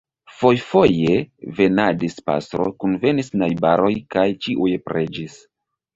Fojfoje venadis pastro, kunvenis najbaroj kaj ĉiuj preĝis.